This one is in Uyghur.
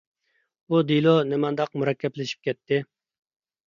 بۇ دېلو نېمانداق مۇرەككەپلىشىپ كەتتى!